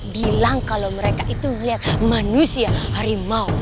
bilang kalau mereka itu melihat manusia harimau